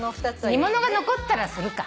煮物が残ったらするか。